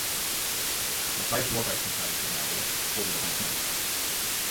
Mae tair rhywogaeth yn cael eu cydnabod, pob un o faint mawr.